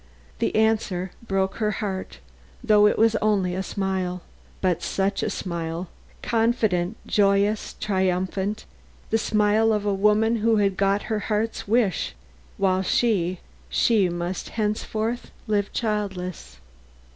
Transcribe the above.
The answer broke her heart though it was only a smile. But such a smile confident, joyous, triumphant; the smile of a woman who has got her heart's wish, while she, she, must henceforth live childless.